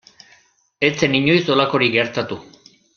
Ez zen inoiz halakorik gertatu.